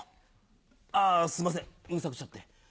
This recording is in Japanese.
あぁすいませんうるさくしちゃって。